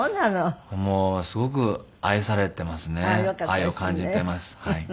愛を感じています。